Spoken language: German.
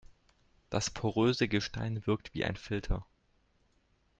Das poröse Gestein wirkt wie ein Filter.